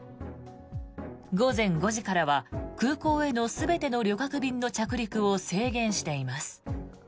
午前５時からは空港への全ての旅客便の着陸を制限しています。